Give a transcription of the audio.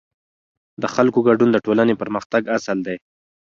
د خلکو ګډون د ټولنې پرمختګ اصل دی